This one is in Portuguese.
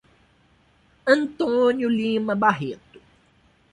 Antônio Lima Barreto